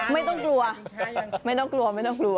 ไม่ต้องกลัวไม่ต้องกลัวไม่ต้องกลัว